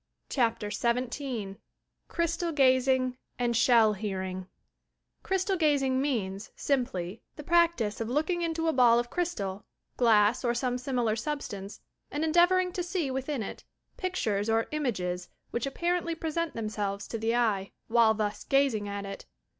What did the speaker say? CHAPTER XVII CRYeTAL GAZmG AND SHELL HEARING li CrtStal gazing means, simply, the praetiee of looking into a ball oE crystal, glass or some similar substance and endeavouring to see within it pictures or images which apparently present themselves to the eye, while thus gazing at it.